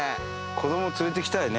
子ども連れて来たいよね。